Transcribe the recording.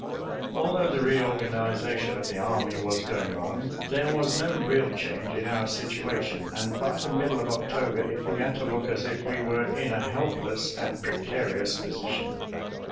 Although the reorganization of the army was going on, there was no real change in our situation, and by the middle of October it began to look as if we were in a helpless and precarious position.